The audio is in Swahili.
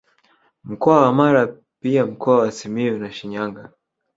Mkoa wa Mara pia Mkoa wa Simiyu na Shinyanga